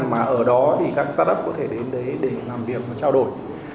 mà ở đó các start up có thể đến để làm việc và trao đổi